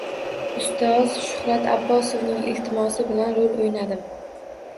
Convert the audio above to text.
Ustoz Shuhrat Abbosovning iltimosi bilan rol o‘ynadim.